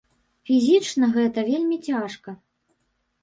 Фізічна гэта вельмі цяжка.